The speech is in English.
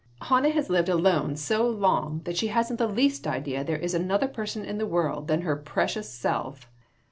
" Hannah has lived alone so long that she hasn't the least idea there is another person in the world except her precious self.